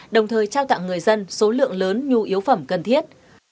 đồng thời trao tặng người dân số lượng lớn nhu yếu phẩm cần thiết